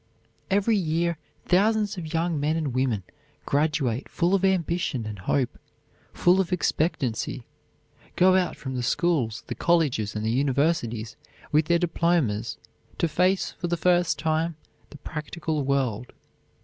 Every year, thousands of young men and young women graduate full of ambition and hope, full of expectancy, go out from the schools, the colleges, and the universities, with their diplomas, to face for the first time the practical world.